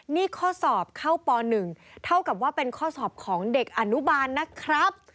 นี่ข้อสอบเข้าป๑เท่ากับว่าเป็นข้อสอบของเด็กอนุบาลนะครับ